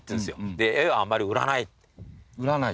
で絵はあんまり売らない。